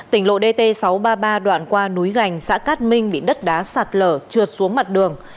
tỉnh lộ dt sáu trăm ba mươi ba đoạn qua núi gành xã cát minh bị đất đá sạt lở trượt xuống mặt đường